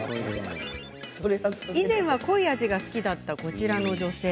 以前は濃い味が好きだったこちらの女性。